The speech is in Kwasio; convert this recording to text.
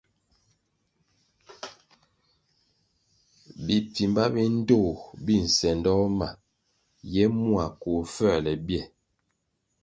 Bipfimba bi ndtoh bi nsendoh ma ye mua koh fuerle bie.